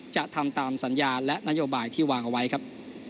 จะทำตามสัญญาและนโยบายที่วางเอาไว้ครับ